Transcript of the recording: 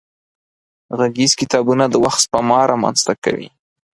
غږيز کتابونه د وخت سپما را منځ ته کوي.